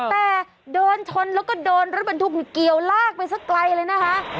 แต่โดนชนแล้วก็โดนรถบรรทุกเกี่ยวลากไปสักไกลเลยนะคะ